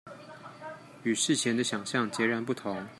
與事前的想像截然不同